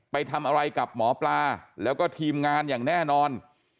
ไปทำอะไรกับหมอปลาแล้วก็ทีมงานอย่างแน่นอน